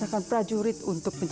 dalam perjalanan tofu